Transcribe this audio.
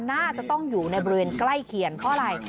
น่าจะต้องอยู่ในบริเวณใกล้เคียงเพราะอะไร